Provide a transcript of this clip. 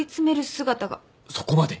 そこまで？